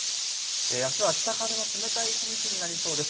あすは北風の冷たい一日になりそうです。